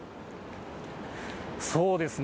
そうですね。